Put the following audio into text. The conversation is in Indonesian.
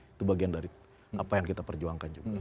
itu bagian dari apa yang kita perjuangkan juga